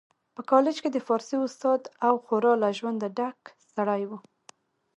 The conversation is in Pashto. په کالج کي د فارسي استاد او خورا له ژونده ډک سړی و